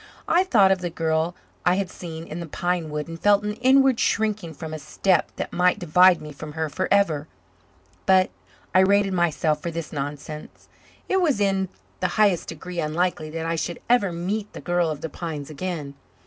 I thought of the girl I had seen in the pine wood and felt an inward shrinking from a step that might divide me from her forever. But I rated myself for this nonsense. It was in the highest degree unlikely that I should ever meet the girl of the pines again.